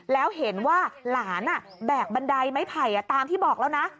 แล้วเห็นว่าหลานแบกบันไดไม้ไผ่ตามที่บอกแล้วนะ